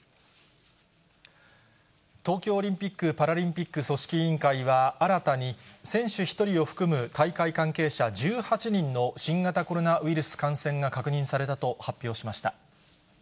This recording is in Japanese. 東京オリンピック・パラリンピック組織委員会は、新たに選手１人を含む大会関係者１８人の新型コロナウイルス感染が確認されたと発表しました。